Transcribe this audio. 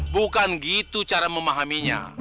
bukan gitu cara memahaminya